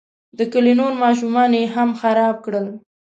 د کلي نور ماشومان یې هم خراب کړل.